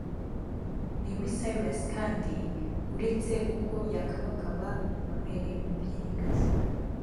Miley Cyrus kandi uretse uko gukabakaba amabere y’umubyinnyikazi we